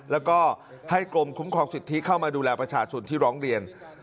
แล้วก็ให้กรมคุ้มครองสิทธิเข้ามาดูแลประชาชนที่ร้องเรียน